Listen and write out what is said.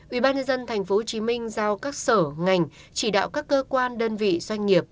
ubnd tp hcm giao các sở ngành chỉ đạo các cơ quan đơn vị doanh nghiệp